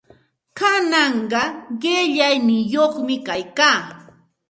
Kananqa qillayniyuqmi kaykaa.